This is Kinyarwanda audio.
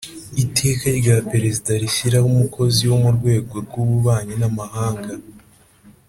Iteka rya Perezida rishyiraho Umukozi wo mu rwego rw ububanyi n amahanga